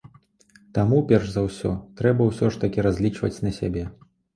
Таму перш за ўсё трэба ўсё ж такі разлічваць на сябе.